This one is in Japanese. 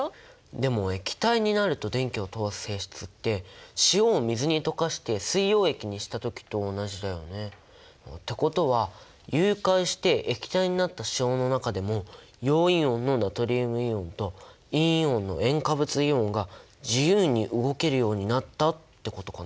でも液体になると電気を通す性質って塩を水に溶かして水溶液にした時と同じだよね。ってことは融解して液体になった塩の中でも陽イオンのナトリウムイオンと陰イオンの塩化物イオンが自由に動けるようになったってことかな？